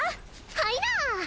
はいな！